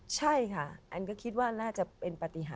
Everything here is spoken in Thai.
ใช่ค่ะแอนก็คิดว่าน่าจะเป็นปฏิหาร